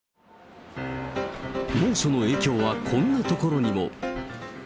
猛暑の影響はこんなところにも。